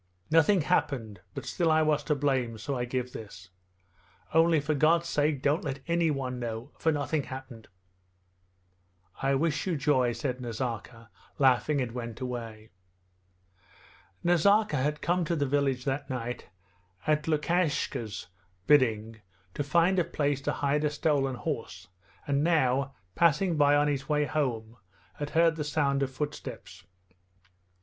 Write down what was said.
'Nothing happened, but still I was to blame, so I give this! Only for God's sake don't let anyone know, for nothing happened...' 'I wish you joy,' said Nazarka laughing, and went away. Nazarka had come to the village that night at Lukashka's bidding to find a place to hide a stolen horse, and now, passing by on his way home, had heard the sound of footsteps.